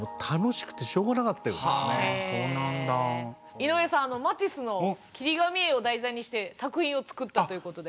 井上さんマティスの切り紙絵を題材にして作品を作ったということで。